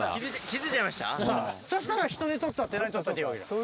そしたらヒトデ取ったって何取ったっていいわけだ。